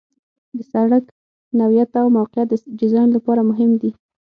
د سرک نوعیت او موقعیت د ډیزاین لپاره مهم دي